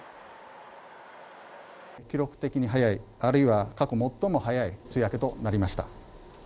記録的に早い、あるいは過去最も早い梅雨明けとなりました。